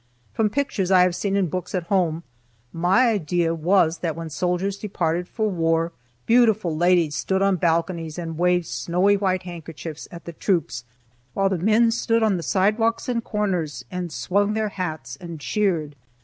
From pictures I had seen in books at home, my idea was that when soldiers departed for war, beautiful ladies stood on balconies and waved snowy white handkerchiefs at the troops, while the men stood on the sidewalks and corners and swung their hats and cheered.